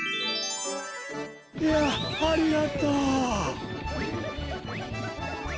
いやありがとう。